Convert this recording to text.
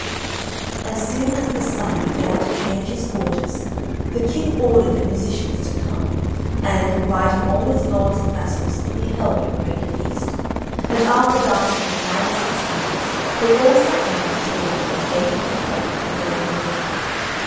As soon as the Sun began to change his quarters, the King ordered the musicians to come, and, inviting all his lords and vassals, he held a great feast. And after dancing for five or six hours, they all sat down to table, and ate and drank beyond measure.